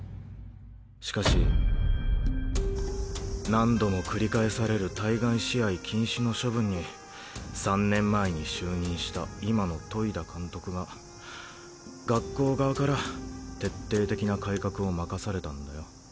しかし何度も繰り返される対外試合禁止の処分に３年前に就任した今の戸井田監督が学校側から徹底的な改革を任されたんだよ。